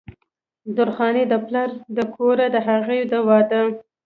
درخانۍ د پلار د کوره د هغې د وادۀ